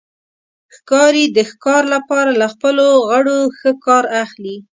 ښکاري د ښکار لپاره له خپلو غړو ښه کار اخلي.